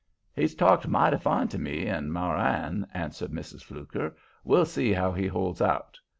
"He's talked mighty fine to me and Marann," answered Mrs. Fluker. "We'll see how he holds out.